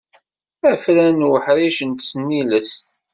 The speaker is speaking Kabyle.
Afran n uḥric n tesnilest.